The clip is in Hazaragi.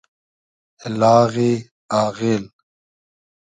لاغی آغیل